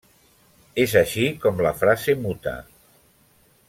És així com la frase muta.